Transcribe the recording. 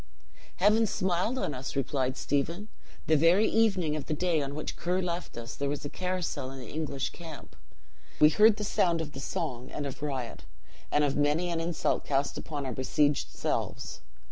"Heaven smiled on us!" replied Stephen. "The very evening of the day on which Ker left us there was a carousal in the English camp. We heard the sound of the song and of riot, and of many an insult cast upon our besieged selves.